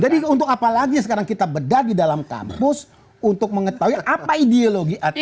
jadi untuk apa lagi sekarang kita bedah di dalam kampus untuk mengetahui apa ideologi hti